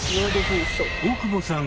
大久保さん